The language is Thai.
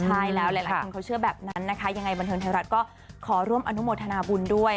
ใช่แล้วหลายคนเขาเชื่อแบบนั้นนะคะยังไงบันเทิงไทยรัฐก็ขอร่วมอนุโมทนาบุญด้วย